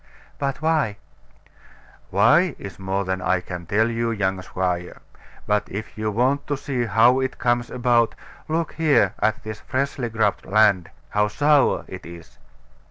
But why? Why, is more than I can tell, young squire. But if you want to see how it comes about, look here at this freshly grubbed land how sour it is.